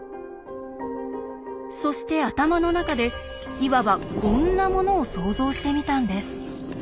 そして頭の中でいわばこんなものを想像してみたんです。